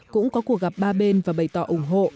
cũng có cuộc gặp ba bên và bày tỏ ủng hộ